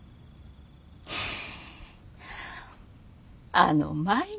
あの舞が。